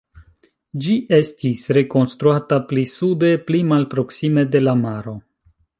Ĝi estis rekonstruata pli sude, pli malproksime de la maro.